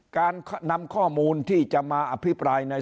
การนำข้อมูลที่จะมาอภิปรายใน